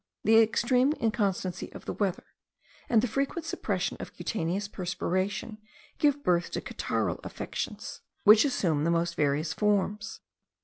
The extreme inconstancy of the weather, and the frequent suppression of cutaneous perspiration, give birth to catarrhal affections, which assume the most various forms.